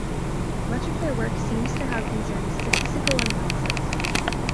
Much of their work seems to have concerned statistical analysis.